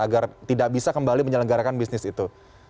agar tidak bisa kembali menyelenggarakan bisnis itu